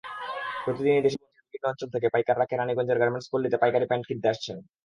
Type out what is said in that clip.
প্রতিদিনই দেশের বিভিন্ন অঞ্চল থেকে পাইকাররা কেরানীগঞ্জের গার্মেন্টসপল্লিতে পাইকারি প্যান্ট কিনতে আসছেন।